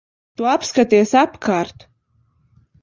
Tu apskaties apkārt.